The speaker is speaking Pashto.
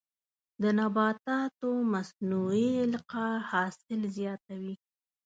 د نباتاتو مصنوعي القاح حاصل زیاتوي.